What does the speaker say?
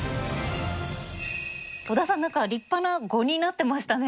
小田さん何か立派な碁になってましたね。